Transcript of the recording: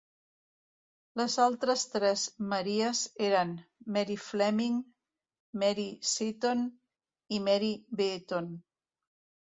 Les altres tres "Maries" eren Mary Fleming, Mary Seton i Mary Beaton.